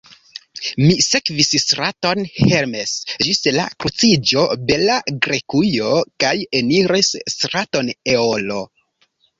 Mi sekvis straton Hermes ĝis la kruciĝo Bela Grekujo, kaj eniris straton Eolo.